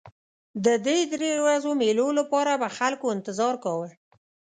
د دې درې ورځو مېلو لپاره به خلکو انتظار کاوه.